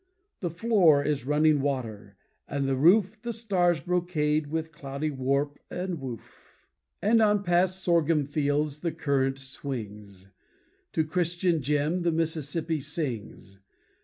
The floor is running water, and the roof The stars' brocade with cloudy warp and woof. And on past sorghum fields the current swings. To Christian Jim the Mississippi sings.